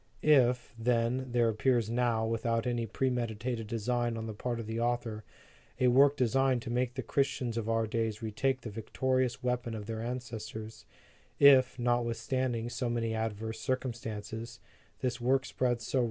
If, then, there appears now, without any premeditated design on the part of the author, a work designed to make the Christians of our day retake the victorious weapon of their ancestors; if, notwithstanding so many adverse circumstances, this work spreads so Preface to the Second Edition.